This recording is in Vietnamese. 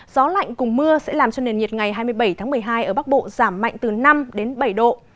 gió lạnh cùng mưa sẽ làm cho nền nhiệt ngày hai mươi bảy tháng một mươi hai ở bắc bộ giảm mạnh từ năm đến bảy độ